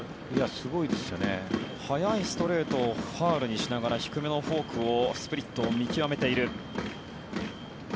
速いストレートをファウルにしながら低めのフォークをスプリットを見極めている。